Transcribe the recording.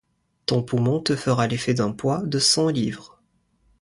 Ton poumon te fera l'effet d'un poids de cent livres.